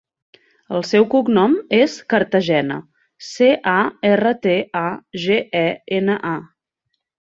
El seu cognom és Cartagena: ce, a, erra, te, a, ge, e, ena, a.